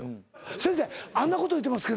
先生あんなこと言ってますけども。